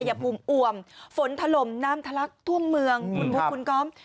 ยภูมิอวมฝนถล่มน้ำทะลักท่วมเมืองคุณบุ๊คคุณก๊อฟ